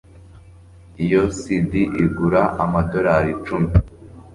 iyo cd igura amadorari icumi